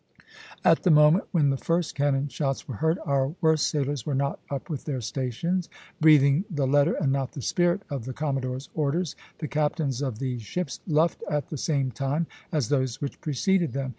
At the moment when the first cannon shots were heard, our worst sailers were not up with their stations. Breathing the letter, and not the spirit, of the commodore's orders, the captains of these ships luffed at the same time as those which preceded them.